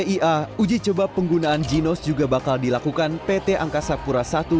selain uji coba penggunaan ginos juga bakal dilakukan pt angkasa pura i